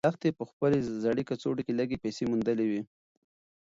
لښتې په خپلې زړې کڅوړې کې لږې پیسې موندلې وې.